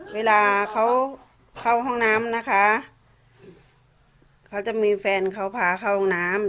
เวลาเขาเข้าห้องน้ำนะคะเขาจะมีแฟนเขาพาเข้าห้องน้ำ